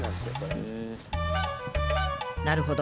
なるほど。